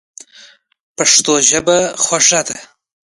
پښتو ژبه خوږه ده.